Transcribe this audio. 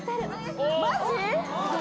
マジ？